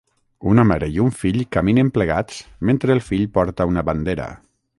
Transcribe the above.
Una mare i un fill caminen plegats mentre el fill porta una bandera.